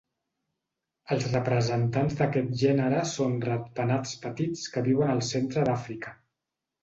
Els representants d'aquest gènere són ratpenats petits que viuen al centre d'Àfrica.